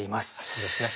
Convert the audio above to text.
そうですね。